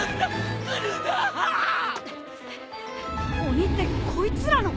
鬼ってこいつらの？